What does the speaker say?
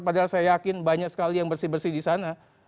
padahal saya yakin banyak sekali yang bersih bersih di sana